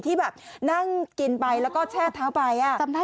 ที่แบบนั่งกินไปแล้วก็แช่เท้าไป